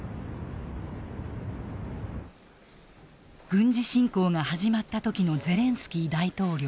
軍事侵攻が始まった時のゼレンスキー大統領。